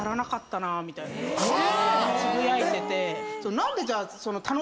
みたいにつぶやいてて。